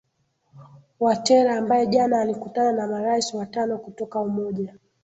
watera ambaye jana alikutana na marais watano kutoka umoja